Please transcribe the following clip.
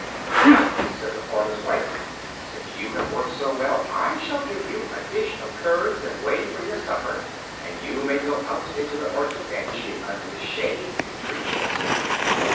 "Now," said the farmer's wife, "since you have worked so well I shall give you a dish of curds and whey for your supper, and you may go out into the orchard and eat it under the shade of the trees."